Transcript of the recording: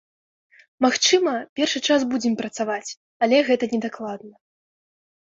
Магчыма, першы час будзем працаваць, але гэта не дакладна.